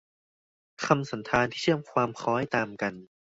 คำสันธานที่เชื่อมความคล้อยตามกัน